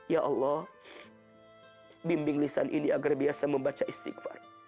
ya allah bimbing lisan ini agar biasa membaca istighfar